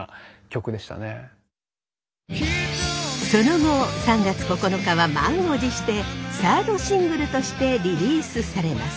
その後「３月９日」は満を持して３ｒｄシングルとしてリリースされます。